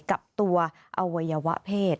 กับตัวอวัยวะเพศ